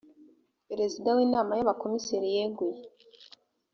perezida w ‘inama y’ abakomiseri yeguye.